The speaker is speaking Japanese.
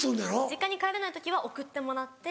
実家に帰れない時は送ってもらって。